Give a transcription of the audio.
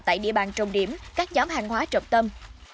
tại địa bàn trồng điểm các giám hàng hóa trọng tâm